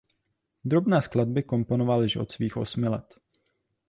Drobné skladby komponoval již od svých osmi let.